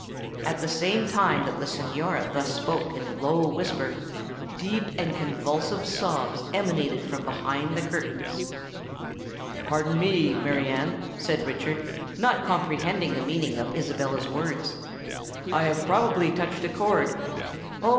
At the same time that the Signora thus spoke in a low whisper, deep and convulsive sobs emanated from behind the curtains. "Pardon me, Mary Anne," said Richard, not comprehending the meaning of Isabella's words; "I have probably touched a chord——" "Oh!